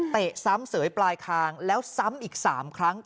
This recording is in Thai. ซ้ำเสยปลายคางแล้วซ้ำอีก๓ครั้ง